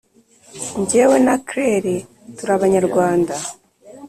jyewe na claire turi abanyarwanda